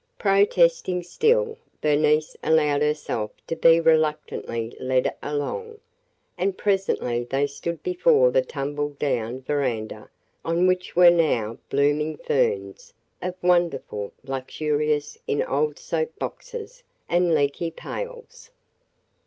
Protesting still, Bernice allowed herself to be reluctantly led along, and presently they stood before the tumble down veranda on which were now blooming ferns of wonderful luxuriance in old soap boxes and leaky pails.